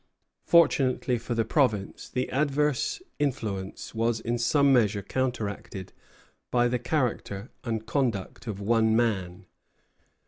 Fortunately for the province, the adverse influence was in some measure counteracted by the character and conduct of one man.